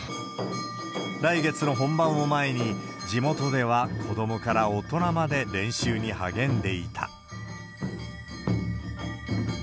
来月の本番を前に、地元では子どもから大人まで練習に励んでいた。